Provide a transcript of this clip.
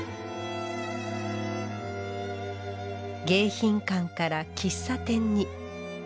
迎賓館から喫茶店に。